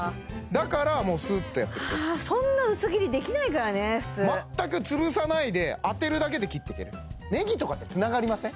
だからもうスーッとやってくとはあそんな薄切りできないからね普通全く潰さないで当てるだけで切っていけるネギとかってつながりません？